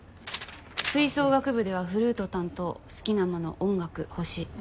吹奏楽部ではフルート担当好きなもの音楽星。